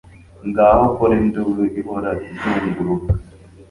ngaho kora induru ihora izunguruka